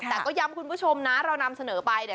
แต่ก็ย้ำคุณผู้ชมนะเรานำเสนอไปเนี่ย